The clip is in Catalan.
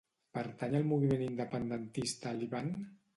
Pertany al moviment independentista l'Ivan?